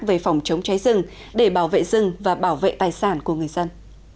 về phòng chống cháy rừng để bảo vệ rừng và bảo vệ tài sản của người dân